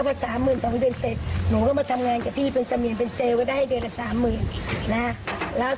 เพราะฉันลูกฉันโตหมดแล้วผัวก็ไม่มีอาจารย์ยัง